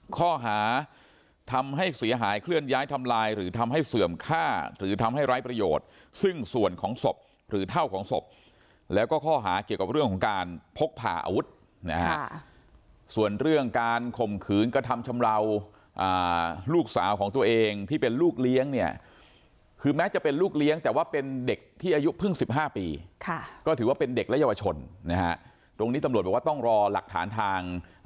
ข้อหาทำให้เสียหายเคลื่อนย้ายทำลายหรือทำให้เสื่อมค่าหรือทำให้ไร้ประโยชน์ซึ่งส่วนของศพหรือเท่าของศพแล้วก็ข้อหาเกี่ยวกับเรื่องของการพกผ่าอาวุธนะฮะส่วนเรื่องการข่มขืนกระทำชำราวลูกสาวของตัวเองที่เป็นลูกเลี้ยงเนี่ยคือแม้จะเป็นลูกเลี้ยงแต่ว่าเป็นเด็กที่อายุเพิ่ง๑๕ปีก็ถือว่าเป็นเด็กและเยาวชนนะฮะตรงนี้ตำรวจบอกว่าต้องรอหลักฐานทาง